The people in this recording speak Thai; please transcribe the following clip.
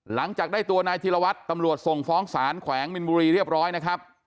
หลังจากได้ตัวนายธิรวัตรตำรวจส่งฟ้องศาลแขวงมินบุรีเรียบร้อยนะครับ